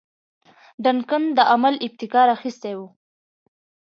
ډنکن د عمل ابتکار اخیستی وو.